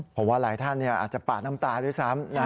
เพราะว่าหลายท่านอาจจะปาดน้ำตาด้วยซ้ำ